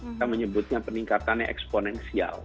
saya menyebutnya peningkatannya eksponensial